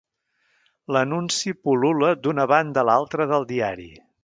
L'anunci pul·lula d'una banda a l'altra del diari.